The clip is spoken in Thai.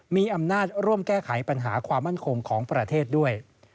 มีอำนาจร่วมแก้ไขปัญหาความมั่นคงของประเทศด้วย